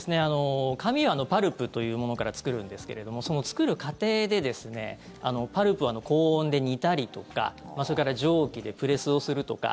紙はパルプというものから作るんですけれどもその作る過程でパルプは高温で煮たりとかそれから蒸気でプレスをするとか